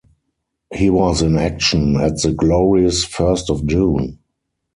He was in action at the Glorious First of June.